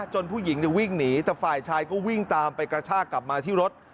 ผู้หญิงวิ่งหนีแต่ฝ่ายชายก็วิ่งตามไปกระชากกลับมาที่รถ